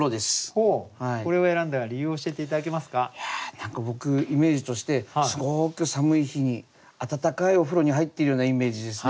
何か僕イメージとしてすごく寒い日に温かいお風呂に入っているようなイメージですね。